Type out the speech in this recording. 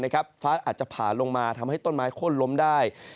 ฟ้าอาจจะผ่าลงมาทำให้ต้นไม้โค้นล้มได้